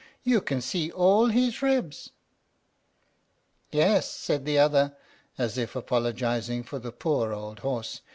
You can see all his ribs." "Yes," said the other, as if apologizing for the poor old horse.